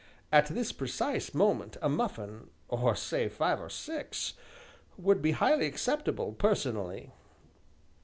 At this precise moment a muffin or, say, five or six, would be highly acceptable, personally."